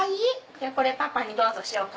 じゃあこれパパにどうぞしようか。